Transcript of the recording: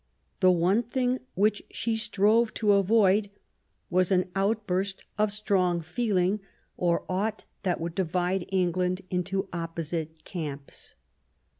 The one thing which she strove to avoid was an outburst of strong feeling, or aught that would divide England into opposite camps.